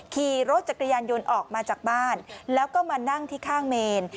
ขี่รถจักรยานยนต์ออกมาจากบ้านแล้วก็มานั่งที่ข้างเมน